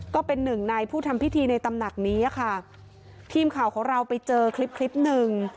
ก็เป็นหนึ่งในผู้ทำพิธีในตำหนักนี้ค่ะทีมข่าวของเราไปเจอคลิปคลิปหนึ่ง